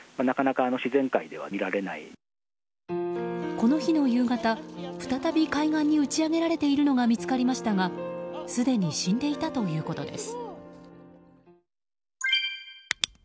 この日の夕方、再び海岸に打ち上げられているのが見つかりましたがすでに死んでいたということです。